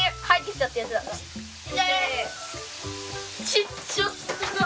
ちっちゃ！